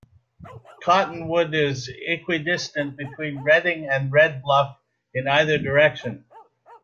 Cottonwood is equidistant between Redding and Red Bluff, in either direction.